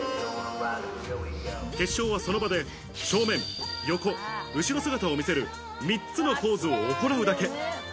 決勝はその場で正面、横、後ろ姿を見せる三つのポーズを行うだけ。